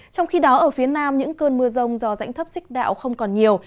trong khi đó ở phía nam những cơn mưa rông do rãnh thấp xích đạo không còn nhiều